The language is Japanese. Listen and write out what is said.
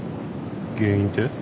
原因って？